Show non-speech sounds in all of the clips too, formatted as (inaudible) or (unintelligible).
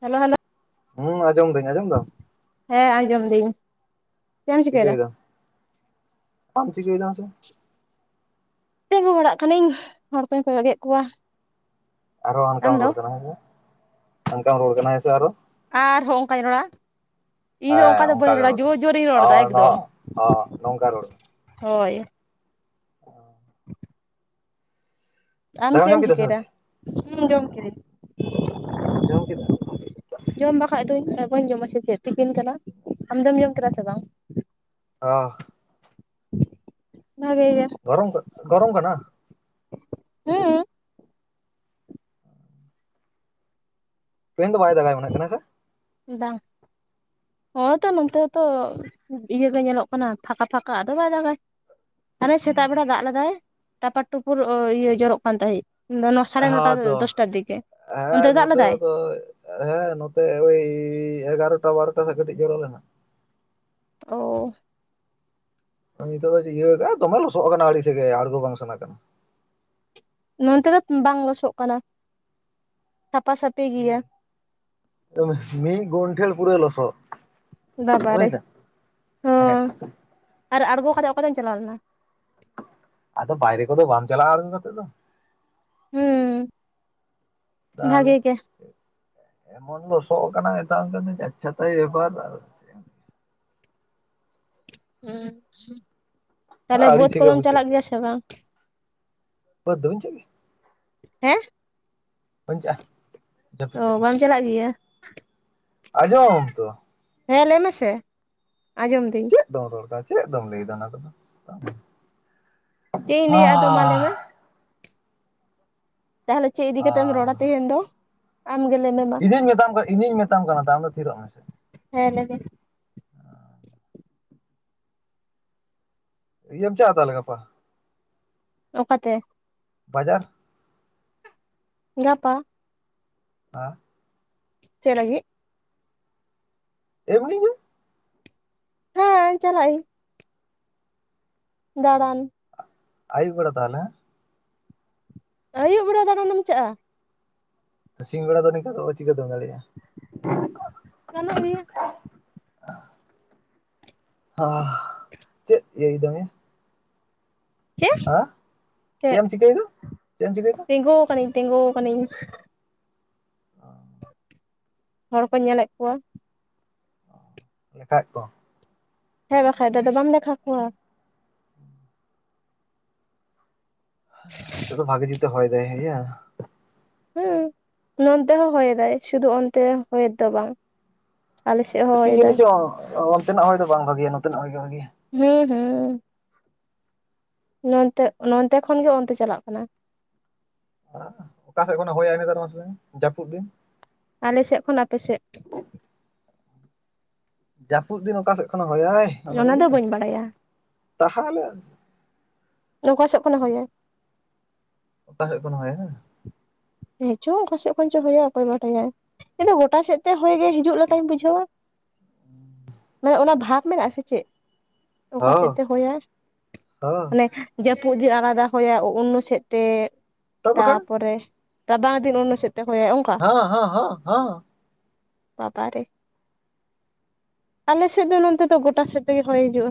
Hello hello, ᱦᱩᱸ ᱟᱸᱡᱚᱢ ᱫᱟᱹᱧ ᱟᱸᱡᱚᱢ ᱫᱟᱢ? ᱦᱮᱸ ᱟᱸᱡᱚᱢ ᱫᱤᱧ᱾ ᱪᱤᱠᱟᱹᱭ ᱫᱟᱢ ᱟᱢ ᱪᱤᱠᱟᱹᱭ ᱫᱟᱢ ᱥᱮ? ᱛᱤᱸᱜᱩ ᱵᱟᱲᱟᱜ ᱠᱟᱹᱱᱟᱹᱧ ᱦᱚᱲ ᱠᱚᱧ ᱠᱚᱭᱚᱜᱮᱫ ᱠᱚᱣᱟ, ᱟᱨᱦᱚᱸ ᱚᱱᱠᱟᱢ ᱟᱢ ᱫᱚ ᱨᱚᱲ ᱠᱟᱱᱟ ᱢᱟᱥᱮ ᱚᱝᱠᱟᱢ ᱨᱚᱲ ᱠᱟᱱᱟ ᱦᱮᱥᱮ ᱟᱨᱦᱚᱸ, ᱟᱨ ᱦᱚᱸ ᱚᱝᱠᱟᱧ ᱨᱚᱲᱟᱼᱼ ᱤᱧᱫᱚ ᱚᱝᱠᱟ ᱦᱮᱸ ᱫᱚ ᱵᱟᱹᱧ ᱚᱱᱠᱟ ᱜᱮ ᱨᱚᱲᱟ ᱨᱚᱲ ᱢᱮ ᱡᱳᱨ ᱡᱳᱨᱤᱧ ᱨᱚᱲᱫᱟ ᱚ ᱱᱚ ᱮᱠᱫᱚᱢ ᱚ ᱱᱚᱝᱠᱟ ᱨᱚᱲ ᱢᱮ ᱦᱳᱭ᱾ ᱟᱢ ᱫᱟᱠᱟᱢ ᱪᱮᱫ ᱡᱚᱢ ᱮᱢ ᱠᱮᱫᱟ ᱥᱮ ᱪᱤᱠᱟᱹᱭᱫᱟ ᱟᱹᱣᱨᱤ ᱤᱧ ᱡᱚᱢ ᱠᱤᱫᱟᱹᱧ᱾ ᱡᱚᱢ ᱠᱮᱫᱟᱢ ᱵᱷᱟᱜᱮ ᱾ ᱡᱚᱢ ᱵᱟᱠᱷᱟᱡ ᱫᱚᱧ ᱵᱟᱹᱧ ᱡᱚᱢᱟ ᱥᱮ ᱪᱮᱫ ᱛᱤᱠᱤᱱ ᱠᱟᱱᱟ ᱟᱢ ᱫᱚᱢ ᱡᱚᱢ ᱠᱤᱫᱟ ᱥᱮ ᱵᱟᱝ? ᱦᱚᱸᱻ ᱵᱷᱟᱜᱮ ᱜᱮ, ᱜᱚᱨᱚᱢ ᱠᱟᱱ ᱜᱚᱨᱚᱢ ᱠᱟᱱᱟ? ᱦᱮᱸ ᱛᱮᱦᱮᱧ ᱫᱚ ᱵᱟᱭ ᱫᱟᱜ ᱟᱭ ᱢᱚᱱᱮᱜ ᱠᱟᱱᱟ ᱥᱮ ᱵᱟᱝ ᱦᱳᱭᱛᱚ ᱱᱚᱱᱛᱮ ᱦᱚᱸᱛᱚ ᱤᱭᱟᱹ ᱜᱮ ᱧᱮᱞᱚᱜ ᱠᱟᱱᱟ ᱯᱷᱟᱠᱟ ᱯᱷᱟᱠᱟ ᱟᱫᱚ ᱵᱟᱭ ᱫᱟᱜ ᱟᱭ ᱦᱟᱱᱮ ᱥᱮᱛᱟᱜ ᱵᱮᱲᱟ ᱫᱟᱜ ᱞᱮᱫᱟᱭ ᱴᱟᱯᱟᱨ ᱴᱩᱯᱩᱨ ᱚ ᱤᱭᱟᱹ ᱡᱚᱨᱚᱜ ᱠᱟᱱ ᱛᱟᱦᱮᱸᱫ ᱤᱧᱫᱚ ᱱᱚᱣᱟ ᱥᱟᱲᱮ ᱱᱚᱴᱟ ᱦᱚᱸ ᱛᱚ ᱫᱚᱥᱴᱟ ᱫᱤᱠᱮ ᱚᱱᱛᱮ ᱦᱮᱸ ᱫᱟᱜ ᱱᱚᱛᱮ ᱞᱮᱫᱟᱭ ᱦᱚᱸᱛᱚ ᱦᱮᱸ ᱱᱚᱛᱮ ᱳᱭ ᱮᱜᱟᱨᱚᱴᱟ ᱵᱟᱨᱚᱴᱟ ᱥᱮᱫ ᱠᱟᱹᱴᱤᱡ ᱡᱚᱨᱚ ᱞᱮᱱᱟ ᱚ ᱱᱤᱛᱚᱜ ᱫᱚ ᱤᱭᱟ. ᱟᱠᱟᱜ-ᱟ ᱫᱚᱢᱮ ᱞᱳᱥᱳᱜ ᱟᱠᱟᱱᱟ ᱟᱹᱬᱤᱥ ᱜᱮ ᱟᱸᱲᱜᱚ ᱵᱟᱝ ᱥᱟᱱᱟ ᱠᱟᱱᱟ ᱱᱚᱱᱛᱮ ᱫᱚ ᱵᱟᱝ ᱞᱚᱥᱚᱜ ᱟᱠᱟᱱᱟ ᱥᱟᱯᱷᱟ ᱥᱟᱹᱯ ᱢᱤᱫ ᱮᱫᱚᱢ ᱢᱤᱫ ᱜᱚᱱᱴᱷᱤ ᱯᱩᱨᱟᱹ ᱞᱳᱥᱳᱜ ᱵᱟᱵᱟ ᱨᱮ ᱦᱚᱸ ᱟᱨ ᱟᱬᱜᱚ ᱠᱟᱛᱮ ᱚᱠᱟᱛᱮᱢ ᱪᱟᱞᱟᱣ ᱞᱮᱱᱟ ᱟᱫᱚ ᱵᱟᱭᱨᱮ ᱠᱚ ᱫᱚ ᱵᱟᱢ ᱪᱟᱞᱟᱜᱼᱟ ᱟᱬᱜᱳ ᱠᱟᱛᱮᱫ ᱫᱚ ᱦᱩᱸ ᱛᱟᱦᱚᱞᱮ ᱵᱷᱟᱜᱮ ᱜᱮ ᱮᱢᱚᱱ ᱞᱳᱥᱳᱜ ᱟᱠᱟᱱᱟ ᱢᱮᱛᱟᱢ ᱠᱟᱱᱟ. ᱧ ᱫᱚ ᱪᱷᱟᱛᱟᱧ ᱟᱜᱩ (unintelligible) ᱦᱩ ᱦᱩ ᱛᱟᱦᱞᱮ ᱟᱹᱲᱤᱥ ᱵᱟᱹᱫᱽ ᱠᱚ ᱜᱮ ᱫᱚᱢ ᱵᱩᱡᱷᱟᱹᱜ ᱪᱟᱞᱟᱜ ᱜᱮᱭᱟ ᱥᱮ ᱵᱟᱝ ᱵᱟᱹᱫᱽ ᱫᱚᱧ ᱪᱟᱜ ᱜᱮ ᱦᱮᱸ ᱵᱟᱧ ᱪᱟᱜ-ᱟ ᱚ ᱡᱟᱹᱯᱤᱫ ᱠᱟᱜ ᱟᱧ ᱵᱟᱢ ᱪᱟᱞᱟᱜ ᱜᱮᱭᱟ. ᱟᱸᱡᱚᱢ ᱢᱟᱢ ᱛᱚ ᱦᱮᱸ ᱞᱟᱹᱭ ᱢᱮᱥᱮ ᱟᱸᱡᱚᱢ ᱮᱫᱟ. ᱧ ᱫᱚᱦᱚ (unintelligible) ᱪᱮᱫ ᱟᱫᱚᱢ ᱞᱟ. ᱭ ᱮᱫᱟ ᱚᱱᱟ ᱠᱚ ᱫᱚ ᱪᱮᱫ (unintelligible) ᱤᱧ ᱦᱟᱻ ᱞᱟᱹᱭᱟ ᱟᱫᱚ ᱢᱟ ᱞᱟᱹᱭ ᱢᱮ ᱛᱟᱦᱟᱞᱮ ᱪᱮᱫ ᱤᱫᱤ ᱠᱟᱛᱮᱢ ᱨᱚᱲ-ᱟ ᱛᱮᱦᱮᱧ ᱫᱚ ᱟᱢ ᱜᱮ ᱞᱟᱹᱭ ᱢᱮ ᱢᱟ ᱤᱧ ᱢᱮᱛᱟᱢ ᱠᱟ ᱤᱧᱤᱧ ᱢᱮᱛᱟᱢ ᱠᱟᱱᱟ ᱛᱚ ᱟᱢ ᱫᱚ ᱛᱷᱤᱨᱚᱜ ᱢᱮ ᱥᱮ ᱦᱮᱸ ᱞᱮ ᱵᱤᱱ ᱤᱭᱟᱹᱢ ᱪᱟᱜ-ᱟ ᱛᱟᱦᱟᱞᱮ ᱜᱟᱯᱟ ᱚᱠᱟ ᱛᱮ ᱵᱟᱡᱟᱨ ᱜᱟᱯᱟ ᱦᱟ ᱪᱮᱫ ᱞᱟᱹᱜᱤᱫ ᱮᱢᱱᱤ ᱜᱮ ᱦᱮᱸ ᱪᱟᱞᱟᱜ ᱟᱧ ᱫᱟᱲᱟᱱ ᱟᱹᱭᱩᱵ ᱵᱮᱲᱟ ᱛᱟᱦᱟᱞᱮ ᱟᱹᱭᱩᱵ ᱵᱮᱲᱟ ᱫᱟᱲᱟᱱ ᱮᱢ ᱪᱟᱞᱟᱜᱼᱟ ᱥᱤᱧ ᱵᱮᱲᱟ ᱫᱚ ᱱᱤᱝᱠᱟ ᱫᱚ ᱪᱤᱠᱟᱹᱛᱮᱢ ᱫᱟᱲᱮᱭᱟᱜᱼᱟ ᱜᱟᱱᱚᱜ ᱜᱮᱭᱟ (unintelligible) ᱦᱟᱦ ᱪᱮᱫ ᱤᱭᱟᱹᱭ ᱮᱫᱟᱢ ᱭᱟ ᱪᱮ! ᱪᱮᱫ ᱮᱢ ᱪᱤᱠᱟᱹᱭᱮᱫᱟ ᱪᱮᱫ ᱮᱢ ᱪᱤᱠᱟᱹᱭᱮᱫᱟ ᱛᱮᱝᱜᱚ ᱟᱠᱟᱹᱱᱤᱧ ᱛᱤᱝᱜᱚ ᱟᱠᱟᱹᱱᱤᱧ ᱚ ᱦᱳᱲ ᱠᱚᱧ ᱧᱮᱞᱮᱫ ᱠᱚᱣᱟ ᱚ ᱞᱮᱠᱷᱟᱭᱮᱫ ᱠᱚᱣᱟᱢ ᱦᱮᱸ ᱵᱟᱠᱷᱟᱡ ᱫᱚ ᱟᱫᱚ ᱵᱟᱢ ᱞᱮᱠᱷᱟ ᱠᱚᱣᱟ ᱦᱤᱛᱩᱜ ᱫᱚ ᱵᱷᱟᱜᱮ ᱡᱩᱛᱮ ᱦᱚᱭ ᱫᱟᱭ ᱦᱮᱭᱟ᱾ ᱦᱩᱸ ᱱᱚᱱᱛᱮ ᱦᱚ ᱦᱚᱭ ᱮᱫᱟᱭ ᱥᱩᱫᱷᱩ ᱚᱱᱛᱮ ᱦᱚᱭ ᱫᱚ ᱵᱟᱝ, ᱟᱞᱮ ᱥᱮᱫ ᱦᱚᱸ ᱠᱤ ᱡᱟᱹᱱᱤ ᱦᱚᱭᱮᱫᱟᱭ ᱪᱚᱝ ᱚᱱᱛᱮᱱᱟᱜ ᱦᱚᱭ ᱫᱚ ᱵᱟᱝ ᱵᱷᱟᱜᱤᱭ-ᱟ ᱱᱚᱛᱮᱱᱟᱜ ᱦᱚᱭ ᱜᱮ ᱵᱷᱟᱜᱤᱭᱟ᱾ ᱦᱩᱸ ᱦᱩᱸ᱾ ᱱᱚᱱᱛᱮ ᱱᱚᱱᱛᱮ ᱠᱷᱚᱱ ᱜᱮ ᱚᱱᱛᱮ ᱪᱟᱞᱟᱜ ᱠᱟᱱᱟ᱾ ᱚᱠᱟ ᱥᱮᱫ ᱠᱷᱚᱱᱮ ᱦᱚᱭᱟᱭ ᱱᱮᱛᱟᱨ ᱢᱟᱥᱮ ᱞᱟᱹᱭ ᱢᱮ ᱡᱟᱹᱯᱩᱫ ᱫᱤᱱ? ᱟᱞ ᱥᱮᱜ ᱠᱷᱚᱱ ᱟᱯᱮ ᱥᱮᱜ᱾ ᱡᱟᱹᱯᱩᱫ ᱫᱤᱱ ᱚᱠᱟ ᱥᱮᱫ ᱠᱷᱚᱱᱮ ᱦᱚᱭᱟᱭ ᱚᱱᱟ ᱫᱚ ᱞᱟᱹᱭ ᱜᱮ ᱛᱟᱦᱟᱞᱮ ᱱᱚᱝᱠᱟ ᱥᱮᱫ ᱠᱷᱚᱱᱮ ᱦᱚᱭᱟᱭ᱾ ᱚᱠᱟ ᱥᱮᱫ ᱠᱷᱟᱱᱮ ᱦᱚᱭᱟ ᱦᱮᱸ, ᱦᱮᱸ ᱪᱚᱝ ᱚᱠᱟ ᱥᱮᱜ ᱠᱷᱚᱱ ᱪᱚᱭ ᱦᱚᱭᱟ ᱚᱠᱚᱭ ᱵᱟᱰᱟᱭᱟ᱾ ᱤᱧ ᱫᱚ ᱜᱚᱴᱟ ᱥᱮᱫ ᱛᱮ ᱦᱚᱭ ᱜᱮ ᱦᱤᱡᱩᱜ ᱞᱮᱠᱟᱧ ᱵᱩᱡᱷᱟᱹᱣᱟ, ᱢᱟᱱᱮ ᱚᱱᱟ ᱵᱷᱟᱜᱽ ᱢᱮᱱᱟᱜ-ᱟ ᱥᱮ ᱪᱮᱫ ᱚᱠᱟ ᱥᱮᱫ ᱦᱚᱸ ᱛᱮ ᱦᱚᱭᱟᱭ ᱦᱚᱸ ᱢᱟᱱᱮ ᱡᱟᱹᱯᱩᱫ ᱫᱤᱱ ᱟᱞᱟᱫᱟ ᱦᱚᱭᱟ ᱳᱱᱱᱳ ᱥᱮᱫ ᱛᱮ ᱛᱚ ᱵᱟᱠᱷᱟᱱ ᱛᱟᱯᱚᱨᱮ ᱨᱟᱵᱟᱝ ᱫᱤᱱ ᱳᱱᱱᱳ ᱥᱮᱫ, ᱛᱮ ᱦᱚᱭ ᱟᱭ ᱚᱝᱠᱟ ᱦᱚᱸ ᱦᱚᱸ ᱦᱚᱸ ᱦᱚᱸ ᱵᱟᱵᱟ ᱨᱮ, ᱟᱞᱮ ᱥᱮᱫ ᱫᱚ ᱱᱚᱱᱛᱮ ᱫᱚ ᱜᱚᱴᱟ ᱥᱮᱫ ᱛᱮ ᱜᱮ ᱦᱚᱭ ᱦᱤᱡᱩᱜᱼᱟ᱾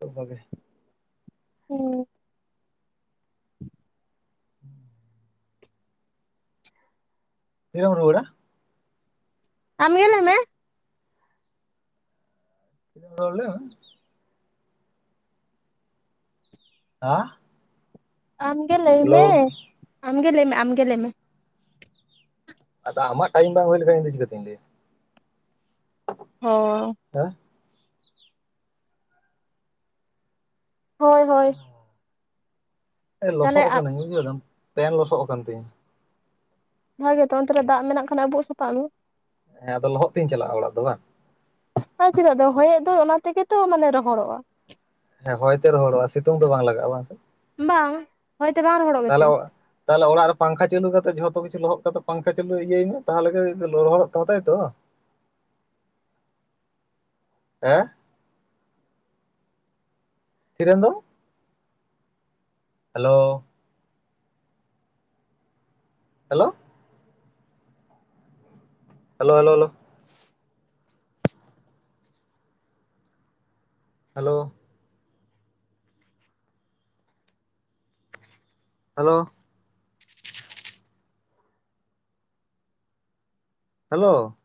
ᱠᱷᱩᱵ ᱵᱷᱟᱜᱮ, ᱦᱩᱸ᱾ ᱦᱮᱸ, ᱛᱤᱨᱮᱢ ᱨᱩᱣᱟᱹᱲᱟ? ᱟᱢ ᱜᱮ ᱞᱟᱹᱭ ᱢᱮ, (unintelligible) ᱞᱟᱹᱭᱢᱮ? ᱦᱟ ᱟᱢ ᱜᱮ ᱞᱟᱹᱭ ᱢᱮ? ᱟᱢ ᱜᱮ ᱞᱟᱹᱭᱢᱮ ᱟᱢ ᱜᱮ ᱞᱟᱹᱭ ᱢᱮ᱾ ᱟᱫᱚ ᱟᱢᱟᱜ ᱴᱟᱭᱤᱢ ᱵᱟᱝ ᱦᱩᱭ ᱞᱮᱠᱷᱟᱱ ᱤᱧ ᱫᱚ ᱪᱤᱠᱟᱹᱛᱤᱧ ᱞᱟᱹᱭᱟ᱾ ᱦᱚᱸ ᱦᱮᱸ, ᱦᱳᱭ ᱦᱳᱭ ᱛᱟᱦᱚᱞᱮ ᱞᱚᱥᱚᱜ ᱠᱟᱹᱱᱟᱹᱧ ᱵᱩᱡᱷᱟᱹᱣ ᱫᱟᱢ ᱯᱮᱱ ᱞᱚᱥᱚᱜ ᱠᱟᱱ ᱛᱤᱧᱟ᱾ ᱦᱳᱭ ᱜᱮᱛᱚ ᱚᱱᱛᱮ ᱨᱮ ᱫᱟᱜ ᱢᱮᱱᱟᱜ ᱠᱷᱟᱱ ᱟᱵᱩᱜ ᱥᱟᱯᱷᱟᱜ ᱢᱮ᱾ ᱦᱮᱸ ᱟᱫᱚ ᱞᱚᱦᱚᱫ ᱛᱤᱧ ᱪᱟᱞᱟᱜᱼᱟ ᱚᱲᱟᱜ ᱫᱚ ᱵᱟᱝ, ᱟᱨ ᱪᱮᱫᱟᱜ ᱫᱚ ᱦᱚᱭᱮᱜ ᱫᱚ ᱚᱱᱟ ᱛᱮᱜᱮ ᱛᱚ ᱢᱟᱱᱮ ᱨᱚᱦᱚᱲᱚᱜᱼᱟ᱾ ᱦᱮᱸ ᱦᱚᱭᱛᱮ ᱨᱚᱦᱚᱲᱚᱜᱼᱟ ᱥᱤᱛᱩᱝ ᱫᱚ ᱵᱟᱝ ᱞᱟᱜᱟᱜᱼᱟ ᱵᱟᱝ ᱥᱮ, ᱵᱟᱝ, ᱦᱚᱭᱛᱮ ᱵᱟᱝ ᱨᱚᱦᱚᱲᱚᱜ ᱜᱮᱛᱮ ᱛᱟᱦᱚᱞᱮ, ᱛᱟᱦᱚᱞᱮ ᱚᱲᱟᱜ ᱨᱮ ᱯᱟᱝᱠᱷᱟ ᱪᱟᱞᱩ ᱠᱟᱛᱮᱜ ᱡᱷᱚᱛᱚ ᱠᱤᱪᱷ ᱞᱚᱦᱚᱫ ᱠᱟᱛᱮ ᱯᱟᱝᱠᱷᱟ ᱪᱟᱹᱞᱩ ᱤᱭᱟᱹᱭ ᱢᱮ ᱛᱟᱦᱚᱞᱮ ᱜᱮ ᱨᱚᱦᱚᱲᱚᱜ ᱛᱚᱢᱟ ᱛᱟᱭᱛᱚ ᱵᱟᱝ, ᱦᱮᱸ, ᱛᱤᱨᱮᱢ ᱫᱚᱢ? Hello, hello hello hello hello. Hello, hello hello.